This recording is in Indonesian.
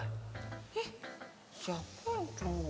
eh siapa yang cemburu